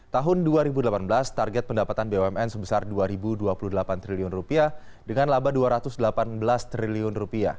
tahun dua ribu delapan belas target pendapatan bumn sebesar rp dua dua puluh delapan triliun dengan laba rp dua ratus delapan belas triliun